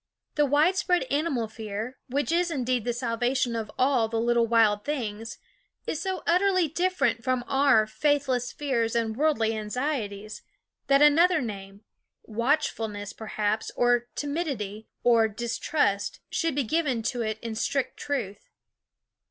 The widespread animal fear, which is indeed the salvation of all the little wild things, is so utterly different from our " faithless fears and worldly anxieties " that another name watchfulness, perhaps, or timidity, or distrust should be given to it in strict truth.